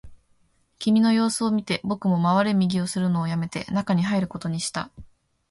君の様子を見て、僕も回れ右をするのをやめて、中に入ることにした